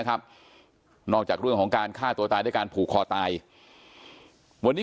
ครับนอกจากเรื่องของการฆ่าตัวตายด้วยการผูกคอตายวันนี้